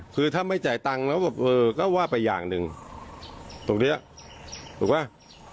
คือถ้าไม่จ่ายตังค์แล้วแบบเออก็ว่าไปอย่างหนึ่งตรงเนี้ยถูกป่ะ